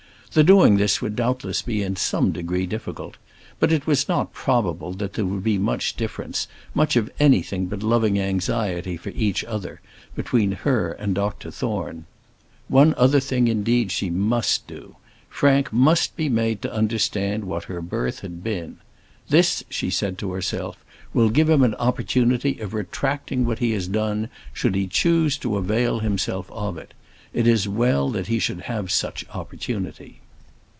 The doing this would doubtless be in some degree difficult; but it was not probable that there would be much difference, much of anything but loving anxiety for each other, between her and Dr Thorne. One other thing, indeed, she must do; Frank must be made to understand what her birth had been. "This," she said to herself, "will give him an opportunity of retracting what he has done should he choose to avail himself of it. It is well he should have such opportunity."